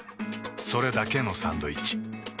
それだけのサンドイッチ。